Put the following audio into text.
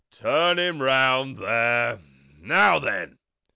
"Turn him round there. Now then!"